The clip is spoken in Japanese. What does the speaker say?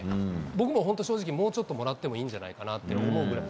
僕もほんと正直、もうちょっともらってもいいんじゃないかなって思うぐらい。